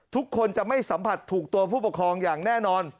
ทุกคนจะไม่สัมผัสถูกตัวผู้ปกครองอย่างแน่นอน